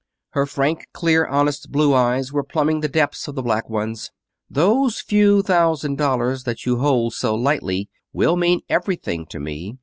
Her frank, clear, honest, blue eyes were plumbing the depths of the black ones. "Those few thousand dollars that you hold so lightly will mean everything to me.